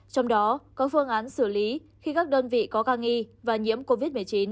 trong đó có phương án xử lý khi các đơn vị có ca nghi và nhiễm covid một mươi chín